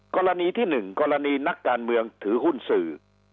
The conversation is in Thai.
กรณีที่๑กรณีนักการเมืองถือหุ้นสื่อ